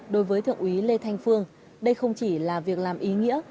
đối với thượng úy lê thanh phương đây không chỉ là việc làm ý nghĩa